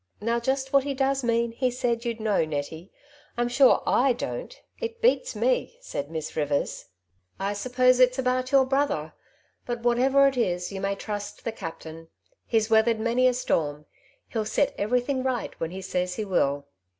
Now, just what he does mean, he said you'd know, Nettie ; I'm sure / don't j it beats me," said Miss Rivers. ^^ I suppose it's about your brother; but whatever it is, you may trust the captain. He's weathered many a storm ; he'll set everything right when he says he will."